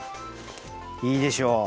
いいでしょ？